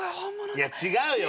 いや違うよ。